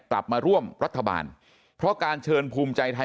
กลับมาร่วมรัฐบาลเพราะการเชิญภูมิใจไทย